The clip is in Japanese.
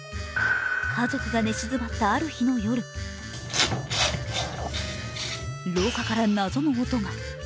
家族が寝静まったある日の夜廊下から謎の音が。